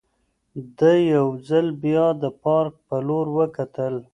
ده یو ځل بیا د پارک په لور وکتل.